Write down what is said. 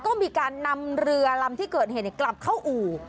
ก็มีการนำเรือลำที่เกิดเหตุกลับเข้าอู่